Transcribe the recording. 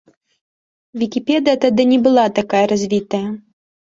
Вікіпедыя тады не была такая развітая.